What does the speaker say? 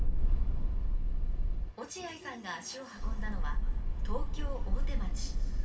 落合さんが足を運んだのは東京・大手町。